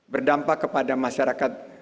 berdampak kepada masyarakat